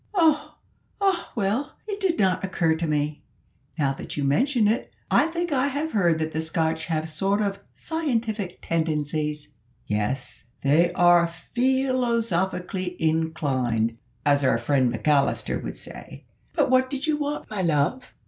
"Oh! ah well, it did not occur to me. Now you mention it, I think I have heard that the Scotch have sort of scientific tendencies." "Yes, they are `feelosophically' inclined, as our friend McAllister would say. But what did you want, my love?"